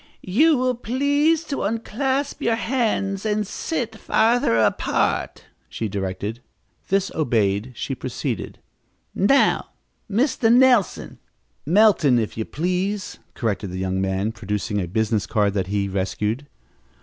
"You will please to unclasp your hands and sit farther apart," she directed. This obeyed, she proceeded: "Now, Mr. Nelson " "Melton, if you please," corrected the young man, producing a business card that he had rescued.